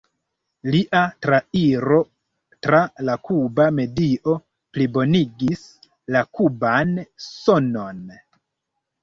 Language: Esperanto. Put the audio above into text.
Lia trairo tra la kuba medio plibonigis la kuban sonon.